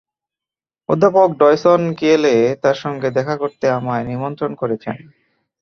অধ্যাপক ডয়সন কিয়েলে তাঁর সঙ্গে দেখা করতে আমায় নিমন্ত্রণ করেছেন।